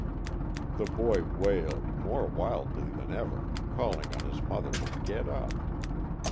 The boy wailed, more wildly than ever, calling on his mother to get up.